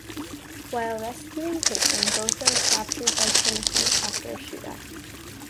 While rescuing Caitlin both are captured by Timothy after a shoot out.